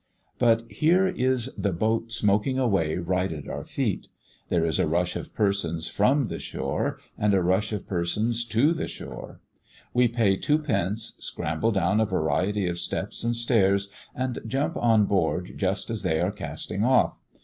But here is the boat smoking away right at our feet. There is a rush of persons from the shore, and a rush of persons to the shore. We pay two pence, scramble down a variety of steps and stairs, and jump on board just as they are casting off.